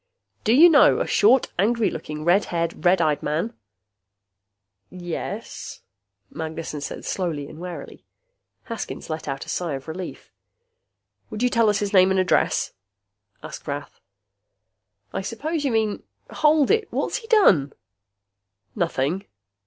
Do you know a short, angry looking, red haired, red eyed man?" "Yes," Magnessen said slowly and warily. Haskins let out a sigh of relief. "Would you tell us his name and address?" asked Rath. "I suppose you mean hold it! What's he done?" "Nothing."